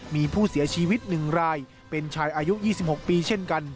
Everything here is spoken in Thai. มีผู้เสียชีวิต๑รายเป็นชายอายุ๒๖ปีเช่นกัน